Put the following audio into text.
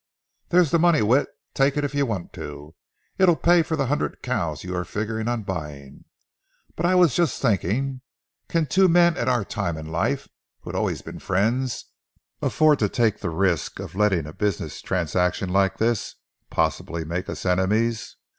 "There's the money, Whit; take it if you want to. It'll pay for the hundred cows you are figuring on buying. But I was just thinking: can two men at our time of life, who have always been friends, afford to take the risk of letting a business transaction like this possibly make us enemies?